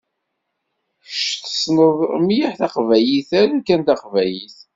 Kečč tessneḍ mliḥ taqbaylit aru kan taqbaylit.